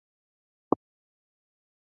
توپک ښوونکي وژلي.